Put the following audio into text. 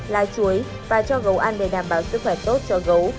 lá chuối và cho gấu ăn để đảm bảo sức khỏe tốt cho gấu